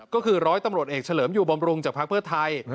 ก็คือร้อยตำรวจเอกเฉลิมอยู่บำรุงจากภาคเพื่อไทย